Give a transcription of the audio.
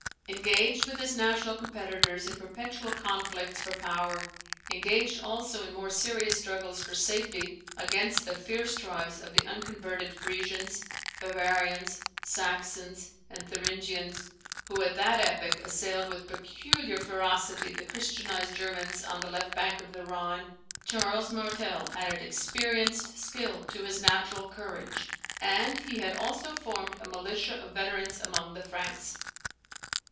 Engaged with his national competitors in perpetual conflicts for power, engaged also in more serious struggles for safety against the fierce tribes of the unconverted Frisians, Bavarians, Saxons, and Thuringians, who at that epoch assailed with peculiar ferocity the christianized Germans on the left bank of the Rhine, Charles Martel added experienced skill to his natural courage, and he had also formed a militia of veterans among the Franks.